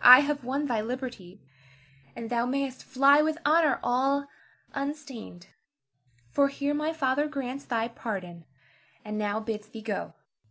I have won thy liberty, and thou mayst fly with honor all unstained; for here my father grants thy pardon, and now bids thee go.